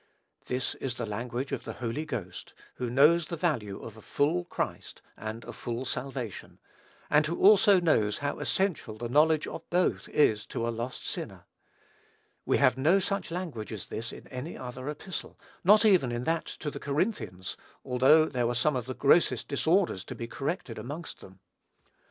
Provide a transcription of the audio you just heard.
This is the language of the Holy Ghost, who knows the value of a full Christ and a full salvation; and who also knows how essential the knowledge of both is to a lost sinner. We have no such language as this in any other epistle; not even in that to the Corinthians, although there were some of the grossest disorders to be corrected amongst them.